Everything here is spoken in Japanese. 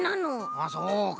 あそうか！